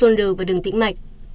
năm sinh được ăn qua đường tĩnh mạch